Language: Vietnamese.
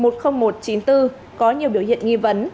có nhiều biểu hiện nghi vấn